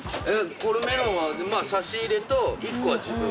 このメロンは差し入れと１個は自分。